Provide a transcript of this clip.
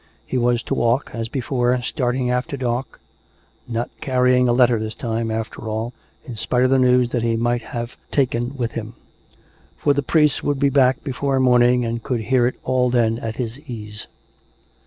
He was to walk, as before, starting after dark, not carry ing a letter this time, after all, in spite of the news that he might have taken with him ; for the priest would be back before morning and could hear it all then at his ease.